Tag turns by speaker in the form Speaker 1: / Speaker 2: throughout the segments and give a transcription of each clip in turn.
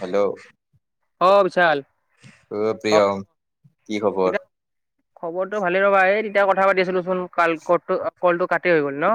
Speaker 1: Hello
Speaker 2: অ, বিচাল
Speaker 1: অ, প্ৰিয়ম কি
Speaker 2: তেতিয়া
Speaker 1: খবৰ?
Speaker 2: খবৰটো ভালে ৰ'বা। এই এতিয়া কথা পাতি আছিলো চোন কাল ক কলটো কাটে হৈ গল। ন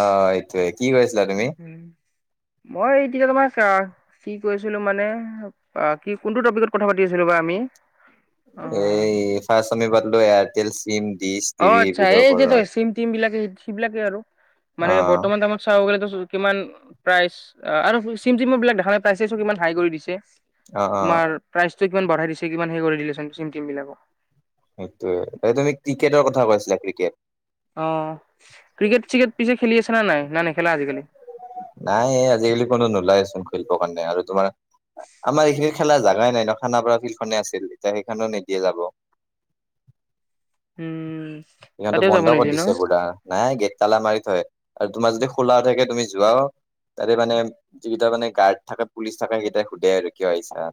Speaker 1: আ এইটোৱে, কি কৰিছিলা তুমি?
Speaker 2: মই এতিয়া তোমাৰ চা কি কৈছিলো মানে, কি কোনটো টপিকত কথা পাতি আছিলো বা আমি? অ
Speaker 1: এই [unintelligible] এয়াৰটেল চিম। ডিচ,
Speaker 2: অ,
Speaker 1: টিভি
Speaker 2: আচ্ছা।
Speaker 1: এইবোৰৰ
Speaker 2: এই যে
Speaker 1: ওপৰত।
Speaker 2: তৰ চিম-তিম বিলাকে সেই বিলাকে আৰু মানে
Speaker 1: অ'
Speaker 2: বৰ্তমান আমাৰ চাব গ'লে কিমান প্ৰাইচ আৰু চিম-তিমৰ বিলাক দেখাই পাইছে কিমান হাই কৰি দিছে।
Speaker 1: অ' অ'
Speaker 2: তোমাৰ প্ৰাইচটো কিমান বঢ়াই দিছে, কিমান সেই কৰি দিলেচোন চিম-টিম বিলাকৰ।
Speaker 1: সেইটোয়ে ত তুমি ক্ৰিকেটৰ কথা কৈছিলা ক্ৰিকেট।
Speaker 2: অ ক্ৰিকেট চিকেট পিছে খেলি আছে না নাই না নেখেলা আজিকালি
Speaker 1: নাই আজিকালি কোনো নোলাইচোন খেলিব। মানে আৰু তোমাৰ আমাৰ এইখিনি খেলাৰ জোগাই নাই ন খানা পৰা ফিল্ডখনে আছিল, এতিয়া সেইখনো নিদিয়ে যাব। [unintelligible]
Speaker 2: উম,
Speaker 1: সিহঁতো
Speaker 2: তাতেও যাব
Speaker 1: বন্ধ কৰি
Speaker 2: নিদিয়ে ন?
Speaker 1: দিছে বোৰা, নাই গেট তালা মাৰি থয়। আৰু তোমাৰ যদি খোলা থাকে, তুমি যোৱা তাতে মানে যিকেইটা মানে গাৰ্ড থাকে, পুলিচ থাকে সেইটাই সোধে আৰু কিয় আহিছা?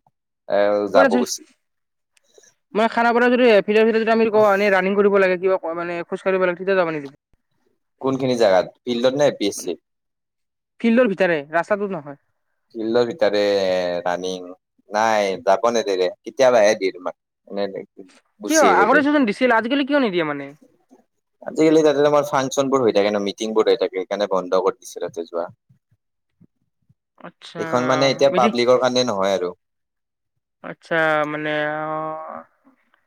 Speaker 1: এ
Speaker 2: কত
Speaker 1: যাব
Speaker 2: আচি,
Speaker 1: গৈছি
Speaker 2: মই খানাপাৰাৰৰে ভিতৰ ভিতৰ যদি আমি কোৱা এনে ৰানিং কৰিব লাগে কিবা কৰ মানে খোজ কাঢ়িব লাগে তেতিয়া যাব নেকি?
Speaker 1: কোনখিনি জাগাত ফিল্ডত নাই পি এছ চি?
Speaker 2: ফিল্ডৰ ভিতৰে ৰাস্তাটোত নহয়।
Speaker 1: ফিল্ডৰ ভিতৰে ৰাণিং নাই যাব নেদৰে কেতিয়াবা আহে দি তোমাক। এনে
Speaker 2: কিয়
Speaker 1: গুচি আহিব দিয়ে
Speaker 2: আগতেছোজন দিছিল আজিকালি কিয় নিদিয়ে মানে?
Speaker 1: আজিকালি তাতে তোমাৰ ফাংচনবোৰ হৈ সেইকাৰণে মিটিং বৰ্ড হৈ থাকে সেইকাৰনে বন্ধ কৰি দিছে তাতে যোৱা।
Speaker 2: আচ্ছা
Speaker 1: এইখন মানে এতিয়া
Speaker 2: মিদি
Speaker 1: পাব্লিকৰ কাৰণে নহয় আৰু।
Speaker 2: আচ্ছা মানে আও।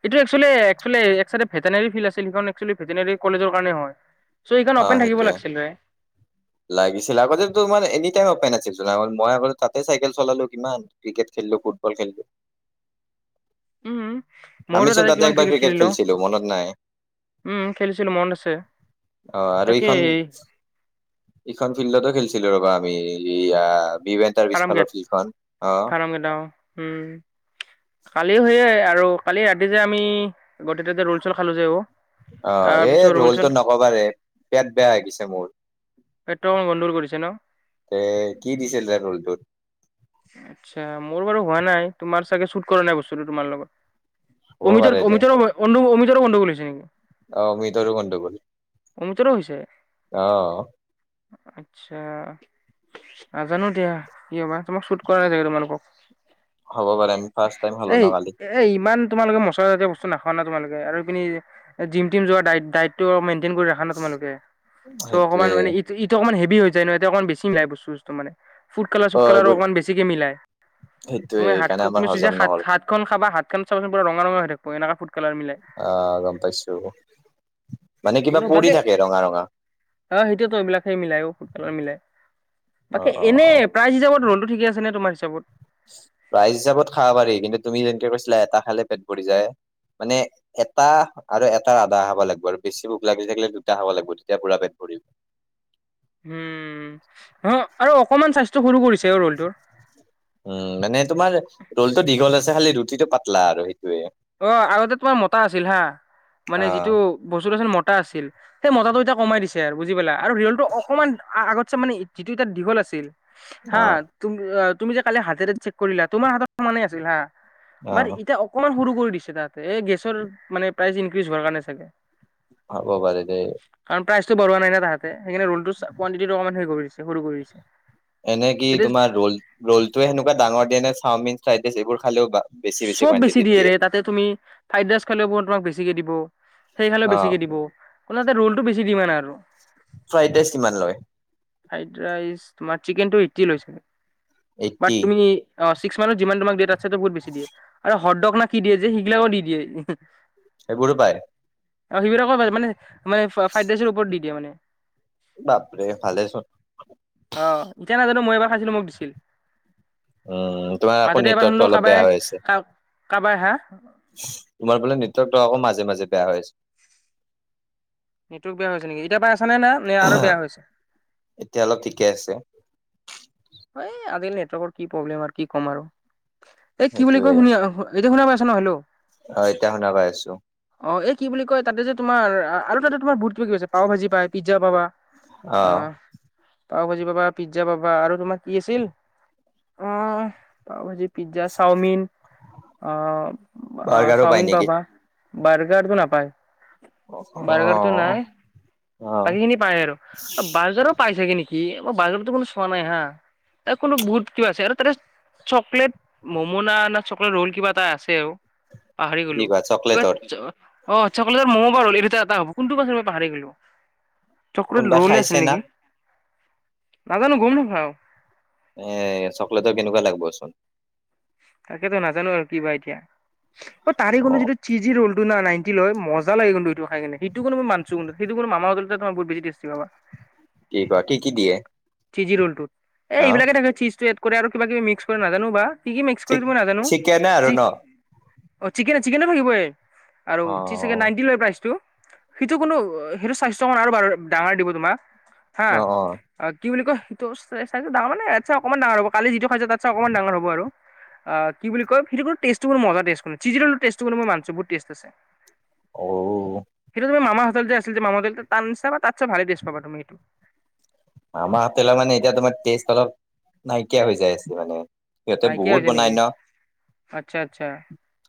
Speaker 2: এইটো একচলি একচলি এক চাইডে ভেটেনেল ফিল্ড আছিল সেই একচলি ভেটেনেৰি কলেজৰ কাৰণে হয়। চ' এইখন
Speaker 1: অ
Speaker 2: অপেন থাকিব
Speaker 1: সেইটোয়ে,
Speaker 2: লাগছিলে।
Speaker 1: লাগিছিল আগতেতো মানে এনি টাইম অপেন আছিল। জলা হ'ল মই আগত তাতে চাইকেল চলালো কিমান ক্ৰিকেট খেলিলো, ফুটবল খেলিলো।
Speaker 2: উম, মইতো
Speaker 1: আমিচোন
Speaker 2: তাতে
Speaker 1: দাতে
Speaker 2: কিমান
Speaker 1: একবাৰ ক্ৰিকেট
Speaker 2: খেলিলো।
Speaker 1: খেলছিলো মনত নাই।
Speaker 2: উম খেলিছিলো মনত আছে।
Speaker 1: অ আৰু এইখন
Speaker 2: তাকেই
Speaker 1: ইখন ফিল্ডতো খেলিছিলো ৰবা আমিয়া বিবে তাৰ
Speaker 2: ফাৰ্ম গেট
Speaker 1: বিশফালৰ ফিলখন আহ।
Speaker 2: ফাৰ্ম গেট অ' উম। কালি সেইয়ে আৰু কালি ৰাতি যে আমি গোটেই ততে ৰোল চল খালো যে অ।
Speaker 1: অ,
Speaker 2: তাৰ
Speaker 1: এ
Speaker 2: পিছত ৰোল চল
Speaker 1: ৰোলটো নকবা ৰে। পেট বেয়া হৈ গৈছে মোৰ।
Speaker 2: পেটটো অকমান গণ্ডগোল কৰিছে ন
Speaker 1: তে কি দিছিল তাৰ [unintelligible]
Speaker 2: আচ্ছা, মোৰ বাৰু হোৱা নাই তোমাৰ চাগে শুট কৰা নাই বস্তুটো তোমাৰ
Speaker 1: হ'ব
Speaker 2: লগত। অমিতৰ
Speaker 1: পাৰে
Speaker 2: অমিতৰ বন্ধু অমিতৰো বন্ধু বুলিছে নেকি?
Speaker 1: অহ অমিতৰো গণ্ডগোল
Speaker 2: অমিতৰো হৈছে
Speaker 1: অহ।
Speaker 2: আচ্ছা। নাজানো দিয়া কি হবা তোমাক শুট কৰা নাই চাগে তোমালোকক?
Speaker 1: হ'ব পাৰে আমি ফাৰ্ষ্ট টাইম খালো
Speaker 2: এ
Speaker 1: ন কালি
Speaker 2: এ ইমান তোমালোকে ম চৰ ৰাতি বস্তু নাখাও নহয় তোমালোকে আৰু ইপিনে জিম তিম যোৱাৰ দায়ি -দায়িত্ব মেইন চিন কৰি ৰাখা না তোমালোকে, চ' অকমান
Speaker 1: সেইটোয়ে
Speaker 2: ই ইটো অকমান হেভি যে নো অকণমান বেছি মিলাই বস্তু সস্তো মানে ফুড কালা
Speaker 1: অ
Speaker 2: কালাৰ
Speaker 1: এইবোৰ
Speaker 2: অকমান বেছিকে মিলাই,
Speaker 1: সেইটোয়ে
Speaker 2: তুমি হাত খ
Speaker 1: সেইকাৰণে আমাৰ
Speaker 2: তুমি চুই যা
Speaker 1: হজম
Speaker 2: হাত
Speaker 1: নহল
Speaker 2: হাত খন খাবা হাত খন চাবচোন। ৰঙা ৰঙ হৈ থাকিব এনেকা কালাৰ মিলাই
Speaker 1: আহ গম পাইছো। মানে কিবা পৰি
Speaker 2: কোনোবাকে
Speaker 1: থাকে ৰঙা ৰঙা
Speaker 2: অ সেইটোৱেতো এইবিলাকে মিলাই ফুটবালৰ মিলাই।
Speaker 1: অ
Speaker 2: বাকে
Speaker 1: অ
Speaker 2: এনে প্ৰাইজ হিচাপত ৰোলটো ঠিকে আছে নে তোমাৰ হিচাপত?
Speaker 1: ৰাইজ হিচাপত খাব পাৰি কিন্তু তুমি যেনেকে কৈছিলা এটা খালে পেট ভৰি যায়। মানে এটা আৰু এটা আধা হাব লাগিব আৰু বেছি ভোক লাগিলি থাকিলে দুটা খাব লাগিব তেতিয়া পুৰা পেট ভৰি
Speaker 2: উম, অ আৰু অকমান স্বাস্থ্য সৰু কৰিছে। অ ৰ'লটোৰ
Speaker 1: উম মানে তোমাৰ ৰলটো দীঘল আছে খালি ৰুটিটো পাতলা আৰু সে
Speaker 2: অ, আগতে তোমাৰ মতা আছিল হা। মানে যিটো
Speaker 1: অ',
Speaker 2: বস্তুটো আছিল মতা আছিল। সেই মতাটো এতিয়া কমাই দিছে আৰু বুজি পালা আৰু ৰীয়েলটো অকমান আগতছে মানে [unintelligible] এতিয়া দীঘল আছিল। হা
Speaker 1: অ',
Speaker 2: তুম তুমি যে কালি হাতেৰে চেক কৰিলা, তোমাৰ হাতত সমানেই আছিল হা। মান
Speaker 1: অ',
Speaker 2: এতিয়া অকমান সৰু [unintelligible] দিছে তাতে, এ গেছৰ মানে প্ৰাইচ ইনক্ৰিজ হোৱাৰ কাৰণে চাগে।
Speaker 1: হব পাৰে দে।
Speaker 2: কাৰণ প্ৰাইচটো বঢ়োৱা নাই না তাঁহাতে সেইকাৰণে ৰ'লটো কুৱান্তিটিটো অকমান হেৰি কৰিছে সৰু কৰিছে।
Speaker 1: এনে কি তোমাৰ ৰ'ল ৰ'লটোৱে সেনেকুৱা ডাঙৰ দিয়ে নে চাওমিন ফ্ৰাইদৰাইচ এইবোৰ খালেও বেছি
Speaker 2: চব বেছি
Speaker 1: কুৱানটিটিত দিয়ে?
Speaker 2: দিয়েৰে তাতে তুমি, ফ্ৰাইদেৰাইচ [unintelligible] তোমাক বেছিকে দিব। সেই খালে
Speaker 1: অ',
Speaker 2: বেছিকে দিব, মানে তাত ৰ'লটো বেছি ডিমাণ্ড মানে আৰু।
Speaker 1: ফ্ৰাইড ৰাইচ কিমান লয়?
Speaker 2: ফ্ৰাইড ৰাইচ তোমাৰ চিকেনটো এইটি লৈছে, বাট
Speaker 1: এইট্টি
Speaker 2: তুমি অহ চিক্স মানত যিমানটোমান দেইট আছে ত' বহুত বেছি দিয়ে আৰু হতডগ না কি দিয়ে যে সেইগিলাও দি দিয়ে।
Speaker 1: সেইবোৰো পাই।
Speaker 2: অ', সেইবিলাকো পাই, মানে মানে ফ্ৰাইডৰাইচৰ ওপৰত দি দিয়ে মানে।
Speaker 1: বাপৰে ভালেচোন।
Speaker 2: অ', এতিয়া নাজানো মই এবাৰ খাইছিলো মোক দিছিল।
Speaker 1: উম, তোমাৰ আকৌ
Speaker 2: মাজতে এবাৰ শুনিলো
Speaker 1: নেটৱৰ্কটো অলপ বেয়া হৈ আছে।
Speaker 2: কাবাই হা?
Speaker 1: তোমাৰ ফালে নেটৱৰ্কটো আকৌ মাজে মাজে বেয়া হৈ আছে।
Speaker 2: নেটৱৰ্ক বেয়া হৈছে নেকি, এতিয়া পাই আছাে নে নাই, নে আৰু বেয়া হৈছে?
Speaker 1: এতিয়া অলপ ঠিকে আছে
Speaker 2: এই আজি নেটৱৰ্কৰ কি প্ৰব্লেম আৰু কি কম আৰু, এই কি বুলি
Speaker 1: সেইটোয়ে
Speaker 2: কয় শুনি আৰু এইটো শুনা পাইছা ন' হেল্ল'
Speaker 1: অ', এতিয়া শুনা পাই আছো।
Speaker 2: অ', এই কি বুলি কয় তাতে যে তোমাৰ আ আৰু তাতে তোমাৰ বুট [unintelligible] গৈছে পাৱ ভাজি পাই, পিজ্জা পাবা,
Speaker 1: অ'।
Speaker 2: আহ। পাৱ ভাজি পাবা, পিজ্জা পাবা আৰু তোমাৰ কি আছিল, অ, পাৱ ভাজিত পিজ্জা, চাওমিন, অ, আহ
Speaker 1: বাৰ্গাৰো পাই
Speaker 2: চাওমিন
Speaker 1: নেকি?
Speaker 2: পাবা। বাৰ্গাৰও নাপাই।
Speaker 1: অ',
Speaker 2: বাৰ্গাৰটো নাই,
Speaker 1: অ'।
Speaker 2: বাকীখিনি পায় আৰু, বাৰজাৰো পাইছে কি নিকি? কি বাহিৰতো কোনো চোৱা নাই হা তাত কোনো ভুত কিবা আছে আৰু তাতে। চকলেট মমোনা না চকলেট ৰল কিবা এটা আছে আও। পাহাৰি
Speaker 1: কি
Speaker 2: গলো
Speaker 1: কোৱা চকলেটৰ
Speaker 2: কিবাত চ- অ', চকলেট ম'ম, ' বা ৰ'ল এই ভিতৰত এটা হ'ব কোনটো বা আছে মই পাহৰি গ'লো। চকলেট
Speaker 1: কোনোবা
Speaker 2: ৰ'লে
Speaker 1: খাইছে
Speaker 2: আছিল
Speaker 1: না
Speaker 2: নেকি, নাজানো গম নাপাওঁ।
Speaker 1: এ চকলেটৰ কেনেকুৱা লাগিবচোন।
Speaker 2: তাকেতো নাজানো আৰু কিবা এতিয়া, অ, তাৰে কোনো যিটো চিজি ৰ'ল টোনা নাইন্তি লয় মজা লাগি গল সেইটো খাইকিনে সেইটো কোনো মই মাঞ্চো কিন্তু সেইটো কোনো মামৰ [inaudible] বহুত বেছি টেষ্টি পাবা।
Speaker 1: কি কোৱা কি কি দিয়ে
Speaker 2: চিজি ৰ'লটোত, এ
Speaker 1: অ
Speaker 2: এইবিলাকে থাকে চিজটো ইয়াত আৰু কিবা কিবি মিক্স কৰে নাজানো বা কি কি মিক্স
Speaker 1: চিক
Speaker 2: কৰেটো মই নাজানো।
Speaker 1: চিকেনে আৰু ন
Speaker 2: অ', চিকেন চিকেনটো থাকিবই আৰু
Speaker 1: অ
Speaker 2: চীজ চাগে নাইনটি লয় প্ৰাইচটো। সেইটো কোনো সেইটোৰ চাইজটো অকমান আৰু [unintelligible] ডাঙৰ দিব তোমাক। হা,
Speaker 1: অ অ
Speaker 2: কি বুলি কয়? সেইটো চাইজ চাইজটো ডাঙৰ মানে ইয়াতচে অকনমান ডাঙৰ হ'ব কালি যিটো খাইছোঁ তাতছে অকনমান ডাঙৰ হ'ব আৰু। আ কি বুলি কয় সেইটো কোনো টেষ্টটো মানে মজা টেষ্ট কৰে চিজি ৰ'ল টেষ্টটো মানে মই মাঞ্চো বহুত টেষ্ট আছে।
Speaker 1: অ',
Speaker 2: সেইটো তুমি মামা হোটেল যে আছিল যে মামা হোটেলটোৰ তাৰ নিচিনা বা তাতছে ভালেই টেষ্ট পাবা তুমি এইটো।
Speaker 1: মামা হোটেল মানে এতিয়া তোমাৰ টেষ্ট অলপ, নাইকিয়া হৈ যাই আছে মানে। সিহঁতে
Speaker 2: নাইকিয়া
Speaker 1: বহুত
Speaker 2: হৈছে
Speaker 1: বনাই
Speaker 2: নেকি
Speaker 1: ন'?
Speaker 2: আচ্ছা আচ্ছা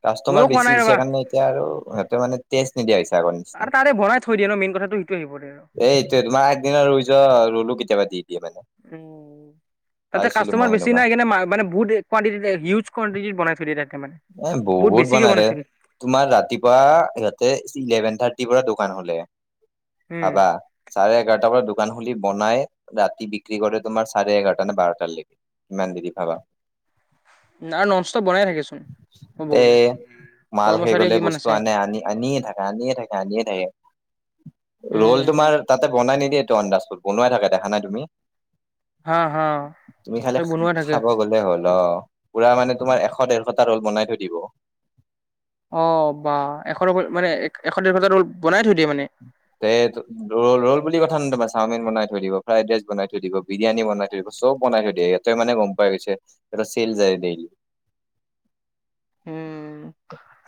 Speaker 1: কাষ্টমাৰ
Speaker 2: ময়ো খোৱা
Speaker 1: বেছি
Speaker 2: নাই
Speaker 1: হৈছে
Speaker 2: ৰ'বা
Speaker 1: কাৰণে এতিয়া আৰু সিহঁতে মানে টেষ্ট নিদিয়া হৈছে। আগৰ নিচিনা,
Speaker 2: আৰু তাৰে বনাই থৈ দিয়ে ন মেইন কথাটো সেইটো আহি পৰে আৰু।
Speaker 1: এইটোৱে তোমাৰ আগদিনা ৰুই যোৱা ৰুলো কেতিয়াবা দি দিয়ে মানে।
Speaker 2: তাতে
Speaker 1: পাইছিলো মই
Speaker 2: কাষ্টমাৰ বেছি
Speaker 1: সেনেকুৱা
Speaker 2: নাই কিনে মা মানে বহুত কোৱান্টিটি হিউজ কোৱান্টিটিত বনাই থৈ দিয়ে তাত।
Speaker 1: এ বহুত বনাই দে, তোমাৰ ৰাতিপুৱা সিহঁতে ইলেভেন থাৰ্ট [unintelligible] দোকান খুলে,
Speaker 2: উম
Speaker 1: ভাবা চাৰে এঘাৰটাৰ পৰা দো দোকান খুলি বনাই ৰাতি বিক্ৰী কৰে তোমাৰ চাৰে এঘাৰটা নে বাৰটাৰ লৈকে কিমান দেৰি ভাবা। [inaudible]
Speaker 2: না ননষ্টপ বনাই থাকেচোন ক'ব
Speaker 1: তে
Speaker 2: গ'লে।
Speaker 1: মাল শেষ
Speaker 2: কৰ্মচাৰী
Speaker 1: হলে
Speaker 2: কিমান
Speaker 1: বস্তু
Speaker 2: আছে
Speaker 1: আনে, আনি আনিয়ে থাকে, আনিয়ে থাকে, আনিয়ে থাকে। ৰোল
Speaker 2: উম
Speaker 1: তোমাৰ তাতে বনাই নিদিয়ে ত আন্দাফুত বনোৱাই থাকে দেখা নাই তুমি।
Speaker 2: হা হা
Speaker 1: তুমি খালি
Speaker 2: বনোৱা থাকে
Speaker 1: খাব গলে হ'ল অ। পুৰা মানে তোমাৰ এশ ডেৰশটা ৰোল বনাই থৈ দিব।
Speaker 2: অ বাহ এশ মানে এ এশ ডেৰশটা ৰ'ল বনাই থৈ দিয়ে মানে।
Speaker 1: তে ৰল ৰল বুলি কথা ন তোমাৰ চাওমিন বনাই থৈ দিব, ফ্ৰাইড ৰাইচ বনাই থৈ দিব, বিৰিয়ানী বনাই থৈ দিব। চব বনাই থৈ দিয়ে ইয়াতে মানে গম পাই গৈছে চেল যায় দেইলি।
Speaker 2: উম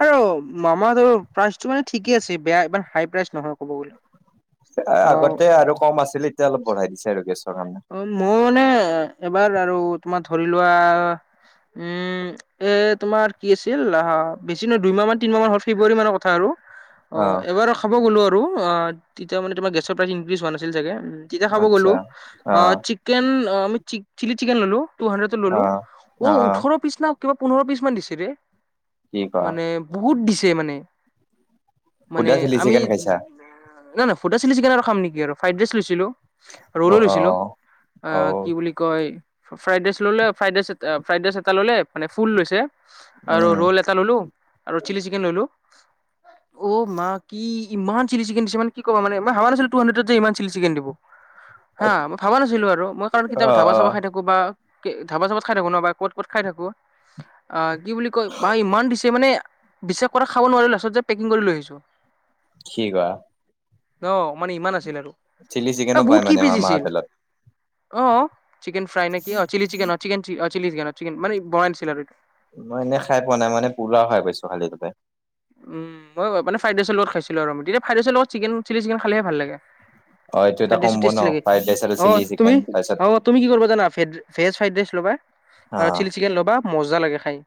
Speaker 2: আৰু মামা হোটেল প্ৰাইচটো মানে ঠিকেই আছে বেয়া মানে হাই প্ৰাইচ নহয় ক'ব গলে। অ
Speaker 1: আগতে আৰু কম আছিলে এতিয়া অলপ বঢ়াই দিছে আৰু গেছ
Speaker 2: অ মই মানে এবাৰ আৰু তোমাৰ ধৰি লোৱা, উম এ তোমাৰ কি আছিল আহ বেছি নহয় দুইমাহ মান তিনিমাহৰ হল ফেব্ৰুৱাৰী মানৰ কথা আৰু। অ
Speaker 1: আহ
Speaker 2: এবাৰ খাব গ'লো আৰু অ তেতিয়া মানে তোমাৰ গেছৰ প্ৰাইচ ইনক্ৰিজ হোৱা নাছিল চাগে। যেতিয়া খাব
Speaker 1: আচ্ছা
Speaker 2: গ'লো অ
Speaker 1: আহ
Speaker 2: চিকেন আমি চিলি চিকেন ললো। টু হাড্ৰেডত ল'লো
Speaker 1: আহ
Speaker 2: অ ওঠৰ পিছ না কিবা পোন্ধৰ পিছ মান দিছে ৰে।
Speaker 1: কি কোৱা
Speaker 2: মানে বহুত দিছে মানে। মানে
Speaker 1: সুধা চিলি
Speaker 2: আমি
Speaker 1: চিকেন খাইছা
Speaker 2: না না ফুড চিলি চিকেন আৰ খাম নেকি আৰ ফ্ৰাইড ৰাইচ লৈছিলো। ৰোল
Speaker 1: অ অ
Speaker 2: লৈছিলো। অ কি বুলি কয় ফ্ৰাইড ৰাইচ ললে ফ্ৰাইড ৰাইচ এ ফ্ৰাইড ৰাইচ এটা ললে মানে ফুল লৈছে। আৰু
Speaker 1: উম
Speaker 2: ৰোল এটা ললো আৰু চিলি চিকেন ললোঁ।
Speaker 1: [inaudible]
Speaker 2: অ মা কি ইমান চিলি চিকেন দিছে মানে কি ক'ব মানে মই হাৱা আছিলে টু হাড্ৰেডত যে ইমান চিলি চিকেন দিব।
Speaker 1: অ
Speaker 2: হা মই ভাবা নাছিলো আৰু মই কাৰণ কেতিয়াবা ধাবা
Speaker 1: অ
Speaker 2: চাবা খাই থাকো বা- ধাবা চাবত খাই থাকো ন' বা ক'ত ক'ত খাই থাকো, আহ। কি বুলি কয় বা ইমান দিছে মানে, বিশ্বাস কৰা খাব নোৱাৰিলো লাষ্টত যে পেকিং কৰি লৈ আহিছো।
Speaker 1: খি কৱা।
Speaker 2: ন মানে ইমান আছিল আৰু
Speaker 1: চিকেনো
Speaker 2: এ
Speaker 1: পায়
Speaker 2: ভুত কি
Speaker 1: মানে মামা
Speaker 2: পিজিছিল।
Speaker 1: হোটেলত
Speaker 2: অ চিকেন ফ্ৰাই নে কি অ চিলি চিকেন অ চিকেন চিলি চিকেন চিকেন মানে বনাই দিছিল আৰু এইটো।
Speaker 1: মই এনেই খাই পোৱা নাই মানে পুৰা খাই পাইছোঁ খালি তাতে।
Speaker 2: উম মই মানে ফ্ৰাইড ৰাইচ লগত খাইছিলো আৰু তেতিয়া ফাইড ৰাইচৰ লগত চিকেন চিলি চিকেন খালেহে ভাল লাগে।
Speaker 1: হয়।
Speaker 2: ফ্ৰাইড ৰাইচটো টেষ্টি লাগে, অ তুমি
Speaker 1: তাৰপিছত
Speaker 2: অ তুমি কি কৰিবা জানা ভে ভেজ ফ্ৰাইড ৰাইচ ল'বা।
Speaker 1: অ
Speaker 2: আৰু চিলি চিকেন ল'বা মজা লাগে খাই।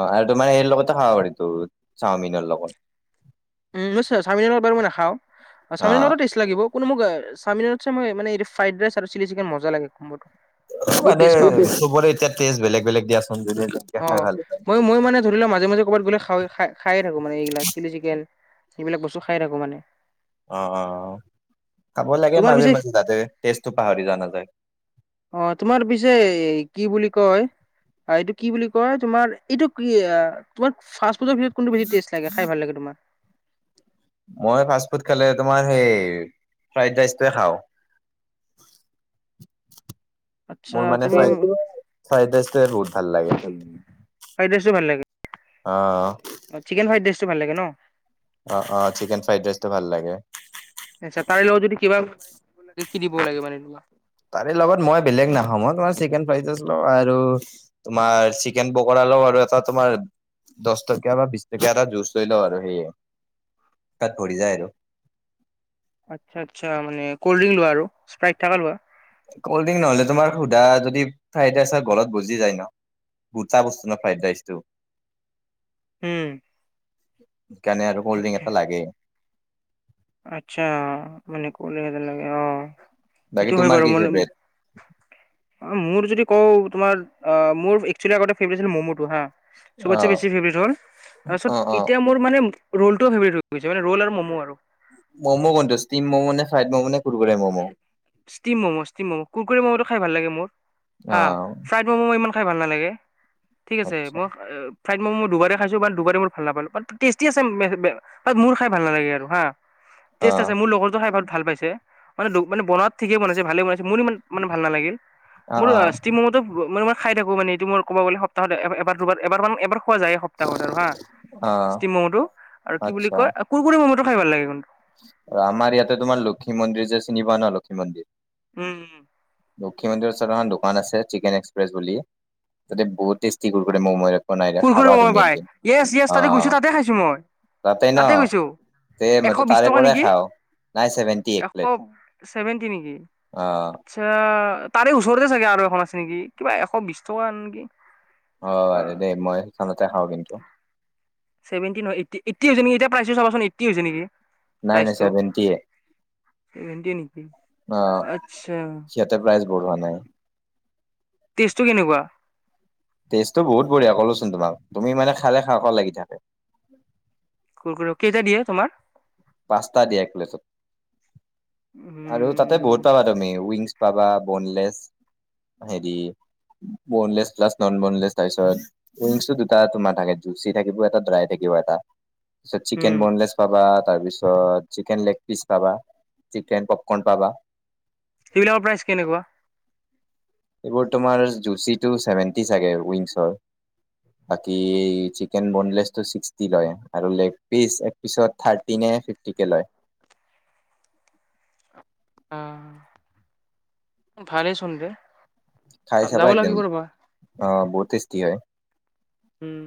Speaker 1: অ আৰু তোমাৰ সে লগতে খাওঁ আৰু এইটো চাওমিনৰ লগত।
Speaker 2: উম নিশ্চয় চাওমিনতবাৰ মই নাখাও
Speaker 1: অ
Speaker 2: চাওমিনো টেষ্ট লাগিব কোনো মোক চামিনতচে মই মানে এইটো ফ্ৰাইড ৰাইচ আৰু চিল চিকন মজা লাগে কম্বোটো।
Speaker 1: [inaudible] মানে চবলৈ এতিয়া টেষ্ট বেলেগ বেলেগ দিয়াচোন যদি এ খাই ভাল পায়।
Speaker 2: ত গলে খ খায় থাকো মানে এইগিলাক চিলি চিকেন সেইবিলাক বস্তু খায় থাকো মানে।
Speaker 1: অ অ অ। খাব লাগে
Speaker 2: তোমাৰ
Speaker 1: মাজে
Speaker 2: পিছে
Speaker 1: মাজে তাতে টেজটো পাহৰি যোৱা নাযায়।
Speaker 2: অ তোমাৰ পিছে কি বুলি কয় হয় এইটো কি বুলি কয় তোমাৰ এইটো কি তোমাৰ ফাষ্ট- ফুডৰ ভিতৰত কোনটো বেছি টেষ্ট লাগে খাই ভাল লাগে তোমাৰ?
Speaker 1: মই ফাষ্ট ফুড খালে তোমাৰ সেই ফ্ৰাইড ৰাইচটোৱে খাওঁ। [inaudible]
Speaker 2: আচ্ছা
Speaker 1: মোৰ মানে
Speaker 2: তুমি
Speaker 1: ফ্ৰাইড ৰাইচটোৱে বহুত ভাল লাগে।
Speaker 2: ফ্ৰাইডৰাইচটো ভাল লাগে।
Speaker 1: অ',
Speaker 2: অ', চিকেন ফ্ৰাইডৰাইচটো ভাল লাগে ন?
Speaker 1: অ', অ, চিকেন ফ্ৰাইডৰাইচটো ভাল লাগে।
Speaker 2: আচ্ছা তাৰে লগত যদি কিবা [unintelligible] লাগে মানে তোমাক?
Speaker 1: তাৰে লগত মই বেলেগ নাখাওঁ মই তোমাৰ চিকেন ফ্ৰাইডৰাইচ লও আৰু, তোমাৰ চিকেন পকৰা লওঁ আৰু এটা তোমাৰ দশ টকীয়া বা বিশ টকীয়া এটা জুঁজ লৈ লওঁ আৰু সেইয়াই। তাত পৰি যায় আৰু।
Speaker 2: আচ্ছা আচ্ছা, মানে কল্ডড্ৰিংক লোৱা আৰু। স্প্ৰাইট থকা লোৱা
Speaker 1: কল্ডড্ৰিংক নহ'লে তোমাৰ সুধা যদি ফ্ৰাইড ৰাইচ [unintelligible] গলত বজি যায় ন'। গোটা বস্তু ন' ফ্ৰাইডৰাইচটো।
Speaker 2: উম,
Speaker 1: সেইকাৰণে আৰু কল্ডড্ৰিংক এটা লাগে।
Speaker 2: আচ্ছা, মানে কল্ডড্ৰিংক এটা লাগে অ,
Speaker 1: বাকী
Speaker 2: সেইটো হয়
Speaker 1: তোমাৰ
Speaker 2: বাৰু
Speaker 1: কি
Speaker 2: মানে,
Speaker 1: ফেভৰেট?
Speaker 2: মোৰ যদি আকৌ তোমাৰ আহ মোৰ একচুৱেলি আগতে ফেভৰেট আছিল ম'ম'টো হাঁ। চবতছে
Speaker 1: অ',
Speaker 2: বেছি ফেভৰেট হ'ল, তাৰপাছত
Speaker 1: অ', অ'।
Speaker 2: এতিয়া মোৰ মানে ৰ'লটোও ফেভৰেট হৈ গৈছে মানে ৰ'ল আৰু ম'ম' আৰু।
Speaker 1: ম'ম' কোনটো ষ্টিম ম'ম' নে ফ্ৰাইড ম'ম' নে
Speaker 2: ষ্টিম ম'ম' ষ্টিম ম'ম', কুৰকুৰি ম'ম'টো খাই ভাল লাগে মোৰ। হা ফ্ৰাইড ম'ম' ইমান খাই ভাল নালাগে, ঠিক আছে মক ফ্ৰাইড ম'ম' দুবাৰে খাইছোঁ বাট দুবাৰে মোৰ ভাল নাপালো বাট টেষ্টি আছে [unintelligible] বাট মোৰ খাই ভাল নালাগে আৰু হা। টেষ্ট আছে মোৰ লগৰো খাই বহুত ভাল পাইছে। মানে মানে বনাত ঠিকে বনাইছে ভালে বনাইছে। মোৰ ইমান মানে ভাল নালাগিল। মোৰ ষ্টিমটো মানে- খাই থাকো মানে এইটো মোৰ ক'ব গ'লে সপ্তাহত এবাৰ দুবাৰ এবাৰ মান এবাৰ- খোৱা যায় এই সপ্তাহত আৰু হা ষ্টিম ম'ম'টো। আৰু কি বুলি কয় কুৰকুৰি ম'ম'টো খাই ভাল লাগে কিন্তু।
Speaker 1: আমাৰ ইয়াতে তোমাৰ লক্ষ্মী মন্দিৰ যে চিনি পোৱা ন লক্ষী মন্দিৰ।
Speaker 2: উম,
Speaker 1: লক্ষি মন্দিৰ ওচৰত এখন দোকান আছে চিকেন এক্সপ্ৰেছ বুলি, তাতে বহুত টেষ্টি কুৰকুৰি ম'ম' বনাই দে
Speaker 2: কুৰকুৰে
Speaker 1: খাবা তুমি
Speaker 2: ম'ম' পাই
Speaker 1: একদিন,
Speaker 2: য়েছ য়েছ
Speaker 1: অ,
Speaker 2: তাতে গৈছোঁ তাতে খাইছোঁ মই
Speaker 1: তাতে ন' তে
Speaker 2: এশ
Speaker 1: মইটো
Speaker 2: বিশ
Speaker 1: তাৰে
Speaker 2: টকা
Speaker 1: পৰাই
Speaker 2: নেকি
Speaker 1: খাওঁ। নাই চেভেন্টি এক
Speaker 2: এশ
Speaker 1: প্লেট
Speaker 2: ছেভেন্টি নেকি,
Speaker 1: অ
Speaker 2: আচ্ছা তাৰে ওচৰতে চাগে আৰু এখন আছে নেকি, কিবা এশ বিশ টকা নেকি?
Speaker 1: অ', আৰু দে মই সেইখনতে খাওঁ কিন্তু
Speaker 2: ছেভেন্টি নহয় এইট্টি এইট্টি হৈছে নেকি এতিয়া প্ৰাইজটো চাবাচোন এইট্টি হৈছে নেকি?
Speaker 1: নাই নাই ছেভেনটি এ।
Speaker 2: ছেভেনটি নেকি, আচ্ছা।
Speaker 1: সিহঁতে প্ৰাইচ বঢ়োৱা নাই।
Speaker 2: টেষ্টটো কেনেকুৱা?
Speaker 1: টেষ্টটো বহুত বঢ়িয়া ক'লোচোন তোমাক তুমি মানে খালে খাওঁ খাওঁ লাগি থাকে।
Speaker 2: কুৰকুৰি কেইটা দিয়ে তোমাৰ?
Speaker 1: পাঁচটা দিয়া একপ্লেতত, আৰু তাতে
Speaker 2: উম
Speaker 1: বহুত পাবা তুমি উইংছ পাবা বনলেছ, হেৰি বনলেছ প্লাছ ন'ন বনলেছ তাৰপিছত, উইংছটো দুটা তোমাৰ থাকে জুচি থাকিব এটা ড্ৰাই থাকি কিবা এটা। তাৰপিছত চিকেন
Speaker 2: উম
Speaker 1: বনলেছ পাবা তাৰপিছত, চিকেন লেগপিচ পাবা। চিকেন পপকৰ্ণ পাবা।
Speaker 2: সেইবিলাকৰ প্ৰাইচ কেনেকুৱা?
Speaker 1: এইবোৰ তোমাৰ জুচি টু ছেভেন্টি চাগে উইংছৰ। বাকী চিকেন বন্ লয় ছিক্সটি লয় আৰু লেগ পিচ একপিছত থাৰ্টি নে নে ফিফটিকে লয়।
Speaker 2: আহ ভালেই চোন দে।
Speaker 1: খাই চাবা
Speaker 2: যাব
Speaker 1: একদম
Speaker 2: লাগিব ৰ'বা।
Speaker 1: অ বহুত টেষ্টি হয়।
Speaker 2: উম